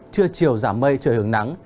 trưa chiều giảm mây trời hưởng nắng